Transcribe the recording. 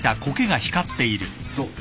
どう？